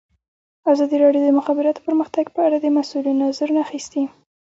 ازادي راډیو د د مخابراتو پرمختګ په اړه د مسؤلینو نظرونه اخیستي.